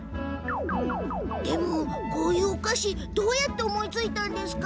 でも、こういうお菓子どうやって思いついたんですか？